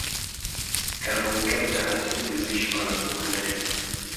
کروندګر د حاصل د ویش په اړه پوهه لري